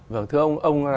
vâng thưa ông